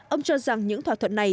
ông cho rằng những thỏa thuận này